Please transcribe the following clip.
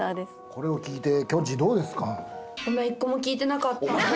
これを聞いてきょんちぃどうですか？